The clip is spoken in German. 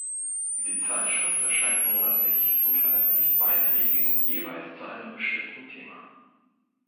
Die Zeitschrift erscheint monatlich und veröffentlicht Beiträge jeweils zu einem bestimmten Thema.